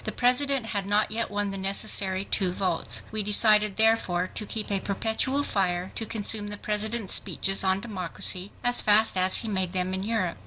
The President had not yet won the necessary 2 votes. We decided therefore to keep a perpetual fire to consume the President's speeches on democracy as fast as he made them in Europe.